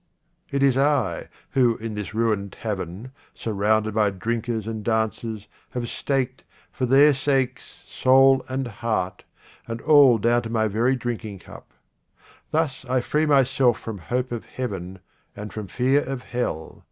It is I who, in this ruined tavern, surrounded by drinkers and dancers, have staked, for their sakes, soul and heart, and all down to my very drinking cup. Thus I free myself from hope of heaven and from fear of hell.